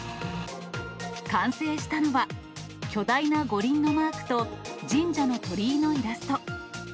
完成したのは、巨大な五輪のマークと、神社の鳥居のイラスト。